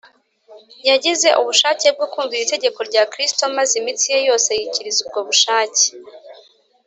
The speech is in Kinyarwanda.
yagize ubushake bwo kumvira itegeko rya Kristo maze imitsi ye yose yikiriza ubwo bushake